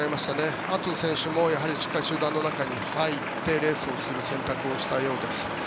ラ・アトウ選手も集団の中に入ってレースをする選択をしたようです。